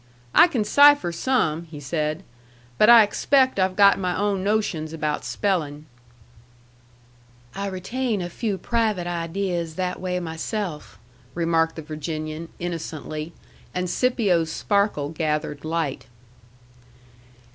"I can cipher some," he said. "But I expect I've got my own notions about spelling." "I retain a few private ideas that way myself," remarked the Virginian, innocently; and Scipio's sparkle gathered light.